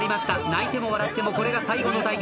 泣いても笑ってもこれが最後の対決。